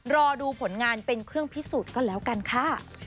รอดูผลงานเป็นเครื่องพิสูจน์ก็แล้วกันค่ะ